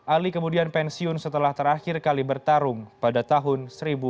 ali kemudian pensiun setelah terakhir kali bertarung pada tahun seribu sembilan ratus sembilan puluh